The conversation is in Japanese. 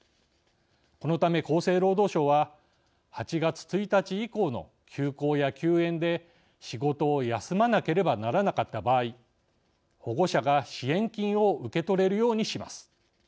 このため、厚生労働省は８月１日以降の休校や休園で仕事を休まなければならなかった場合保護者が支援金を受け取れるようにします。